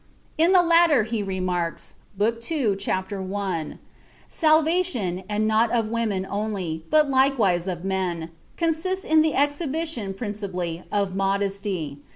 In the latter he remarks (Book II, Chapter I): "Salvation and not of women only, but likewise of men consists in the exhibition, principally, of modesty.